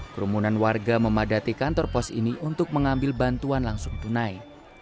kerumunan warga memadati kantor pos ini untuk mengambil bantuan langsung tunai